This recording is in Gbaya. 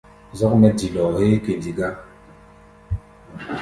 Zɔ́k mɛ́ dilɔɔ héé kɛndi gá.